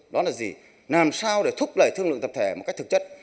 đó là gì làm sao để thúc đẩy thương lượng tập thể một cách thực chất